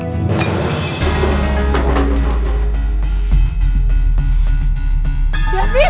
pak udah sampe pak